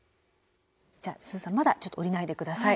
じゃあすずさんまだちょっと降りないで下さい。